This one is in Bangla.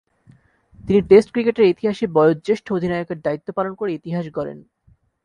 তিনি টেস্ট ক্রিকেটের ইতিহাসে বয়োঃজ্যেষ্ঠ অধিনায়কের দায়িত্ব পালন করে ইতিহাস গড়েন।